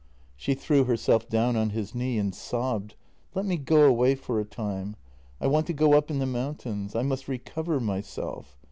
She threw herself down on his knee and sobbed: "Let me go away for a time. I want to go up in the mountains. I must recover myself.